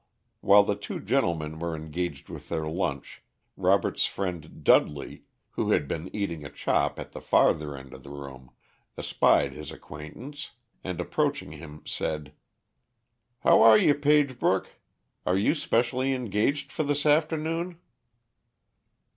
While the two gentlemen were engaged with their lunch, Robert's friend Dudley, who had been eating a chop at the farther end of the room, espied his acquaintance, and approaching him said: "How are you, Pagebrook? Are you specially engaged for this afternoon?"